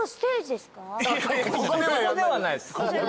ここではないです。